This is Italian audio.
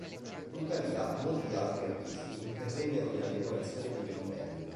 Tuttavia, molti altri artisti intervennero nella decorazione degli interni.